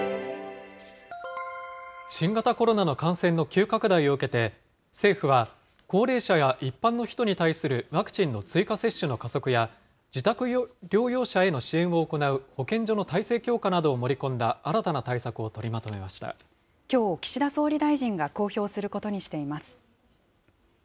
新型コロナの感染の急拡大を受けて、政府は、高齢者や一般の人に対するワクチンの追加接種の加速や、自宅療養者への支援を行う保健所の体制強化などを盛り込んだ新たきょう、岸田総理大臣が公表することにしています。